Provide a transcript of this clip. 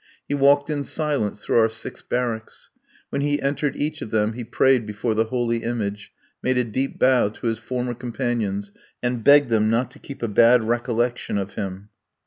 He walked in silence through our six barracks. When he entered each of them he prayed before the holy image, made a deep bow to his former companions, and begged them not to keep a bad recollection of him.